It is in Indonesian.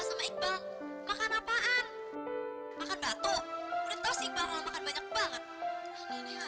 sampai jumpa di video selanjutnya